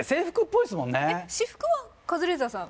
私服はカズレーザーさん